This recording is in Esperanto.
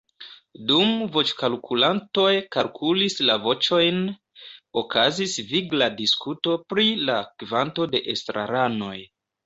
Dum voĉkalkulantoj kalkulis la voĉojn, okazis vigla diskuto pri la kvanto de estraranoj.